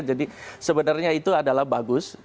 jadi sebenarnya itu adalah bagus